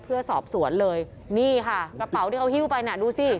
เพื่อสอบสวนเลยนี่ค่ะกระเป๋าที่เขาฮิ้วไปน่ะดูสิ